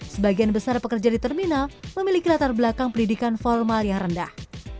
sebagian besar pekerja di terminal memiliki latar belakang pendidikan formal yang rendah